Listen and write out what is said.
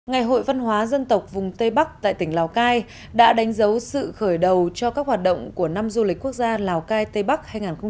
ngày hội văn hóa dân tộc vùng tây bắc tại tỉnh lào cai đã đánh dấu sự khởi đầu cho các hoạt động của năm du lịch quốc gia lào cai tây bắc hai nghìn hai mươi bốn